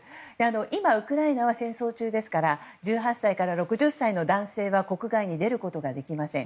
今、ウクライナは戦争中ですから１８歳から６０歳の男性は国外に出ることができません。